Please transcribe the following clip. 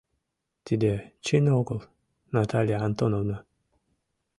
Тиде чын огыл, Наталья Антоновна.